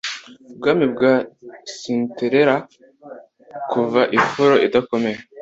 ubwami bwa Cytherea kuva ifuro idakomeye